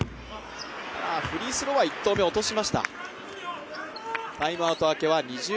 フリースローは１投目落としました